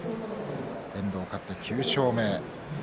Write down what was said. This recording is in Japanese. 遠藤、勝って９勝目。